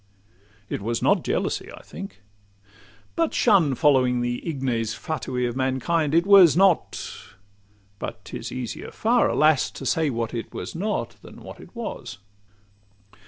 It was not jealousy, I think: but shun Following the 'ignes fatui' of mankind. It was not—but 'tis easier far, alas! To say what it was not than what it was.